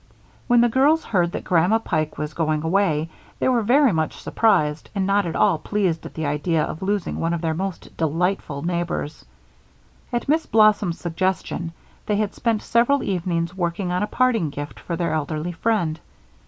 When the girls heard that Grandma Pike was going away they were very much surprised and not at all pleased at the idea of losing one of their most delightful neighbors. At Miss Blossom's suggestion, they had spent several evenings working on a parting gift for their elderly friend.